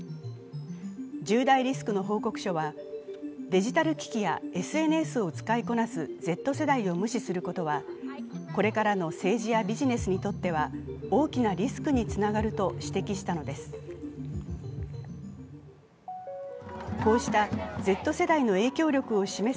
１０大リスクの報告書は、デジタル機器やＳＮＳを使いこなすＺ世代を無視することはこれからの政治やビジネスにとっては大きなリスクにつながると指摘したのです。